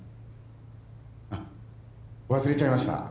あっ忘れちゃいました